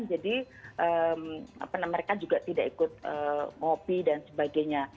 jadi mereka juga tidak ikut ngopi dan sebagainya